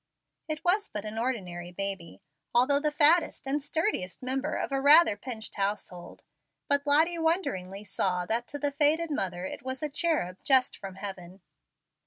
It was but an ordinary baby, although the fattest and sturdiest member of a rather pinched household; but Lottie wonderingly saw that to the faded mother it was a cherub just from heaven.